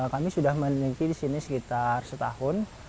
kami sudah meneliti disini sekitar setahun